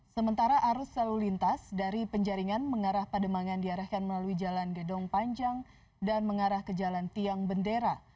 sementara arus selalu lintas dari penjaringan mengarah pademangan diarahkan melalui jalan gedong panjang dan mengarah ke jalan tiang bendera